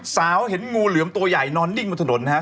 สาวเห็นงูเหลือมตัวใหญ่นอนนิ่งบนถนนนะครับ